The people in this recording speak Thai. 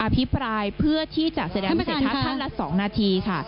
อภิปราณห์เพื่อที่จะแสดงเศรษฐราชทรัฐละ๒นาทีค่ะ